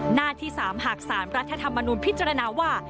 หน้าที่๓หากสารรัฐธรรมนุนพิจารณาว่า